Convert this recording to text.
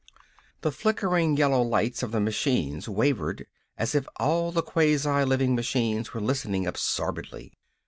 The flickering yellow lights of the machines wavered as if all the quasi living machines were listening absorbedly.